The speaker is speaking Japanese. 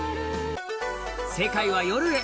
世界は夜へ。